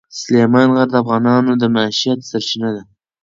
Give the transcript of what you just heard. سلیمان غر د افغانانو د معیشت سرچینه ده.